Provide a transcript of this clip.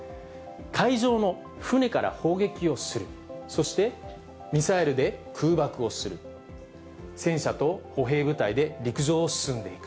海上の船から砲撃をする、そしてミサイルで空爆をする、戦車と歩兵部隊で陸上を進んでいく。